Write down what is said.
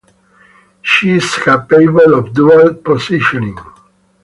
She is capable of "dual positioning".